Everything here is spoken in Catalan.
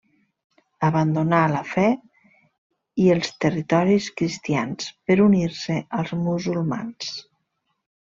Abandonà la fe i els territoris cristians per unir-se als musulmans.